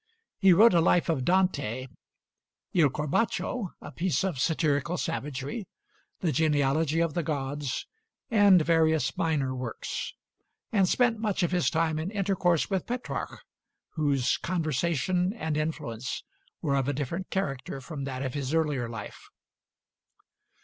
He wrote a life of Dante, 'II Corbaccio,' a piece of satirical savagery, the 'Genealogy of the Gods,' and various minor works; and spent much of his time in intercourse with Petrarch, whose conversation and influence were of a different character from that of his earlier life.